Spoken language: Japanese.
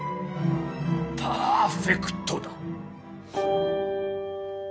パーフェクトだ。